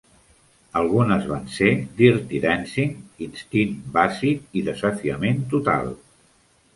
Algunes van ser "Dirty Dancing", "Instint bàsic" i "Desafiament total".